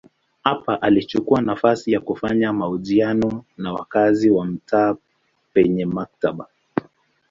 Hapa alichukua nafasi ya kufanya mahojiano na wakazi wa mtaa penye maktaba.